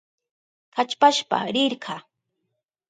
Kallpashpa rirka.